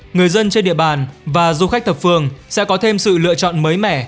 người dân trên địa bàn và du khách thập phương sẽ có thêm sự lựa chọn mới mẻ